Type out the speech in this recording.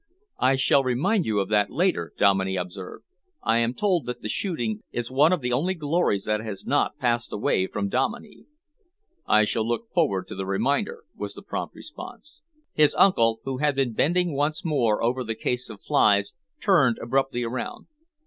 "I shall remind you of that later," Dominey observed. "I am told that the shooting is one of the only glories that has not passed away from Dominey." "I shall look forward to the reminder," was the prompt response. His uncle, who had been bending once more over the case of flies, turned abruptly around.